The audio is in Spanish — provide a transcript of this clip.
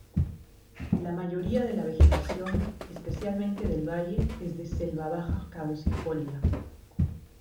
La mayoría de la vegetación, especialmente del valle, es de "Selva baja caducifolia".